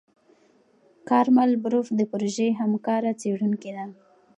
کارمل بروف د پروژې همکاره څېړونکې ده.